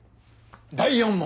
第４問。